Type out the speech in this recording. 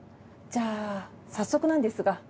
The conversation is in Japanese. じゃあ早速なんですが。